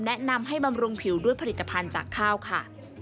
แนะนำให้บำรุงผิวด้วยผลิตภัณฑ์จากข้าวค่ะ